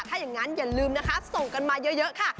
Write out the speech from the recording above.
ถ้าอย่างนั้นอย่าลืมนะคะส่งกันมาเยอะค่ะ